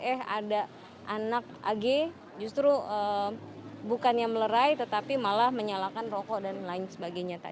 eh ada anak ag justru bukannya melerai tetapi malah menyalakan rokok dan lain sebagainya